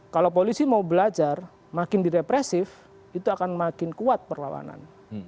kalau polisi mau belajar makin direpresif itu akan makin kuat perlawanan